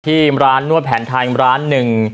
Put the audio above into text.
ที่ร้านนวดแผนไทยร้านหนึ่ง